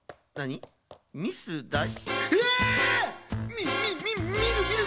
みみみみるみるみる！